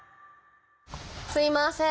すいません。